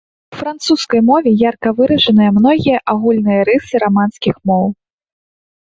У французскай мове ярка выражаныя многія агульныя рысы раманскіх моў.